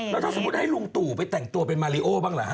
แล้วถ้าสมมุติให้ลุงตู่ไปแต่งตัวเป็นมาริโอบ้างเหรอฮ